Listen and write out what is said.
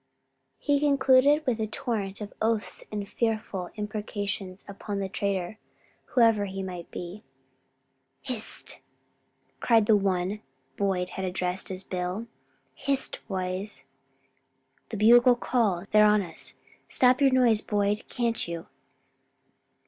He concluded with a torrent of oaths and fearful imprecations upon the traitor, whoever he might be. "Hist!" cried the one Boyd had addressed as Bill, "hist boys! the bugle call! they're on us. Stop your noise, Boyd, can't you!"